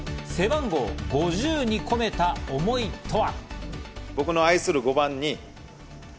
背番号５０に込めた思いとは。